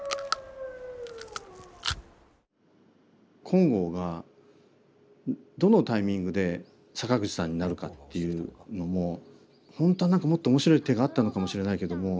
金剛がどのタイミングで坂口さんになるかっていうのも本当は何かもっと面白い手があったのかもしれないけども。